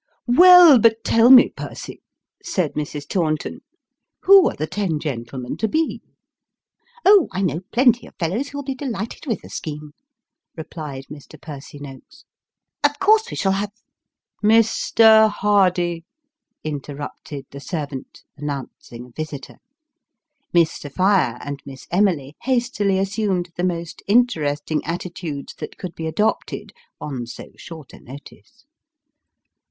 " Well, but tell me, Percy," said Mrs. Taunton, " who are the ten gentlemen to be ?"" Oh ! I know plenty of fellows who'll be delighted with the scheme," replied Mr. Percy Noakes ;" of course we shall have " Mr. Hardy !" interrupted the servant, announcing a visitor. Miss Sophia and Miss Emily hastily assumed the most interesting attitudes that could be adopted on so short a notice.